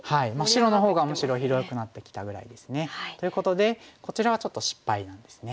白のほうがむしろ広くなってきたぐらいですね。ということでこちらはちょっと失敗ですね。